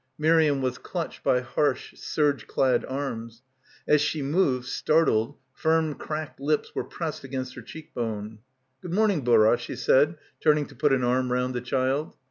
Miriam was clutched by harsh serge clad arms. As she moved, startled, firm cracked lips were pressed against her cheek bone. "Good morning, Burra," she said, turn ing to put an arm round the child.